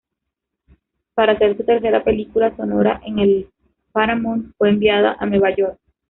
Para hacer su tercera película sonora en la Paramount fue enviada a Nueva York.